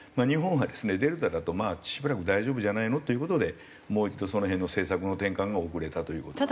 日本はですねデルタだとまあしばらく大丈夫じゃないの？っていう事でもう一度その辺の政策の転換が遅れたという事。